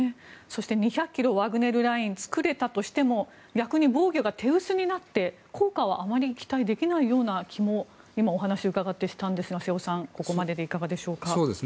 そして、２００ｋｍワグネルラインを作れたとしても逆に防御が手薄になって効果があまり期待できないような今、話を伺ってそういう気がしたんですが瀬尾さん、いかがですか。